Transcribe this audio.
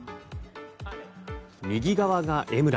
右側が江村。